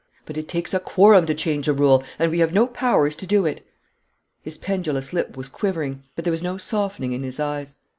'But it takes a quorum to change a rule, and we have no powers to do it.' His pendulous lip was quivering, but there was no softening in his eyes.